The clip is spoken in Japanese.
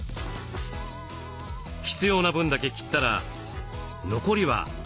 必要な分だけ切ったら残りは再び冷凍。